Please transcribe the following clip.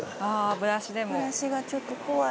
ブラシがちょっと怖い。